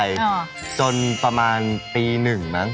อ๋อเป็นเด็กอ้วนเหรออ๋อเป็นเด็กอ้วนเหรอ